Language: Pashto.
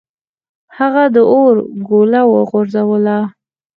هغه د اور ګوله وغورځوله.